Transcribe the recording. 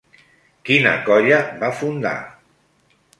Quina colla va fundar?